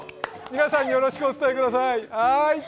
皆さんによろしくお伝えください。